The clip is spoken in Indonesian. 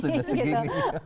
sudah segini gitu